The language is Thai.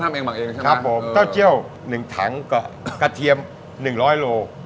ทำเองหมักเองใช่ไหมครับครับผมเต้าเจี่ยวหนึ่งถังกับกระเทียมหนึ่งร้อยโลก